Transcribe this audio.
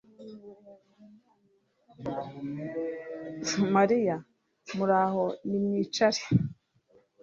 Mariya Muraho Nimwicare